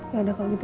yaudah kalau gitu